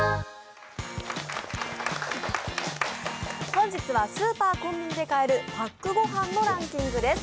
本日はスーパー・コンビニで買えるパックごはんのランキングです。